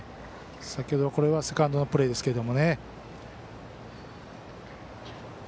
先ほど、これはセカンドのプレーですけど。